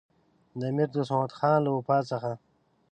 د امیر دوست محمدخان له وفات څخه.